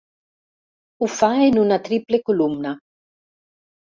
Ho fa en una triple columna.